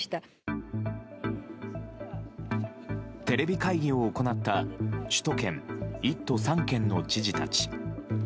テレビ会議を行った首都圏１都３県の知事たち。